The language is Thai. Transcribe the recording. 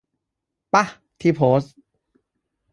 ป่ะที่โพสต์ ?